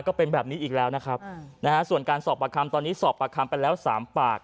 ก็เป็นแบบนี้อีกแล้วนะครับนะฮะส่วนการสอบประคำตอนนี้สอบประคำไปแล้วสามปาก